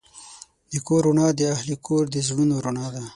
د کور رڼا د اهلِ کور د زړونو رڼا ده.